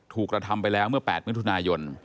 กระทำไปแล้วเมื่อ๘มิถุนายน